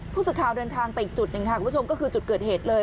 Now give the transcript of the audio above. ผู้สื่อข่าวเดินทางไปอีกจุดหนึ่งค่ะคุณผู้ชมก็คือจุดเกิดเหตุเลย